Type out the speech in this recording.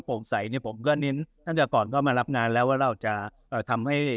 ใสเนี่ยผมก็เน้นตั้งแต่ก่อนก็มารับนานแล้วว่าเราจะเอ่อทำให้